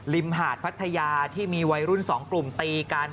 มหาดพัทยาที่มีวัยรุ่น๒กลุ่มตีกัน